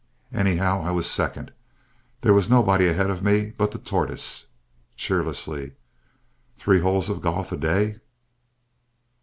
Anyhow, I was second. There was nobody ahead of me but the Tortoise. (Cheerlessly) Three holes of golf a day!